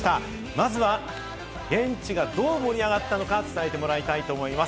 まずは現地がどう盛り上がったのか伝えてもらいたいと思います。